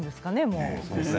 もう。